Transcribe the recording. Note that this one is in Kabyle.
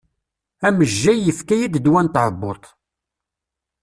Amejjay yefka-yid ddwa n tɛebbuḍt.